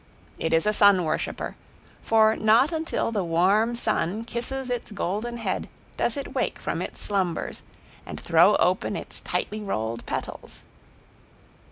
It is a sun worshiper, for not until the warm sun kisses its golden head does it wake from its slumbers and throw open its tightly rolled petals.